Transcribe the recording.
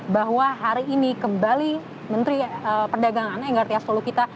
bahwa hari ini kembali menteri perdagangan enggartia stolokita